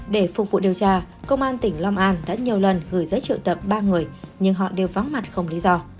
để phục vụ điều tra công an tỉnh long an đã nhiều lần gửi giấy triệu tập ba người nhưng họ đều vắng mặt không lý do